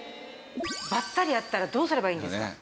ばったり会ったらどうすればいいんですか？